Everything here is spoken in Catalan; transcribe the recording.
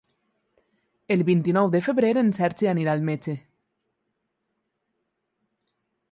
El vint-i-nou de febrer en Sergi anirà al metge.